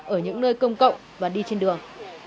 ở những nơi công cộng và đi trên đường